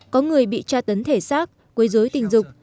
có người bị tra tấn thể xác quấy dối tình dục